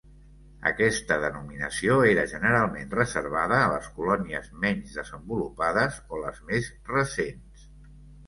Aquesta denominació era generalment reservada a les colònies menys desenvolupades o les més recents.